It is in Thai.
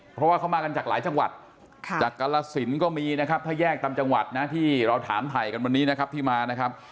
เพราะว่าเขามากันจากหลายจังหวัดจากกรสินก็มีนะครับถ้าแยกตามจังหวัดนะที่เราถามถ่ายกันวันนี้นะครับที่มานะครับ